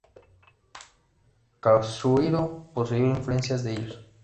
Kazuhiro posee influencias de ellos.